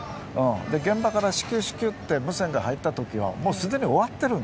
現場から至急って無線が入ったときはすでに終わっている。